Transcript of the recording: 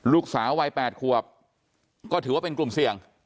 ลูกสาววัย๘ขวบก็ถือว่าเป็นกลุ่มเสี่ยง